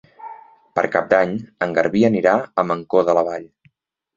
Per Cap d'Any en Garbí anirà a Mancor de la Vall.